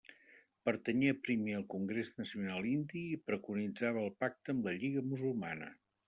Pertanyé primer al Congrés Nacional Indi i preconitzava el pacte amb la Lliga Musulmana.